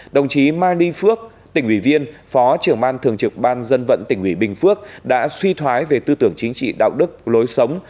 đồng chí mai ly phước tỉnh ủy viên phó trưởng ban thường trực ban dân vận tỉnh ủy bình phước đã suy thoái về tư tưởng chính trị đạo đức lối sống